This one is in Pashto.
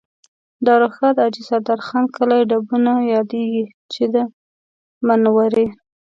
د ارواښاد حاجي سردار خان کلی ډبونه یادېږي چې د منورې